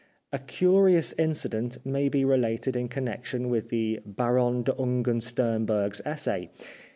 A curious incident may be re lated in connection with the Baronne d'Ungern Sternberg's essay.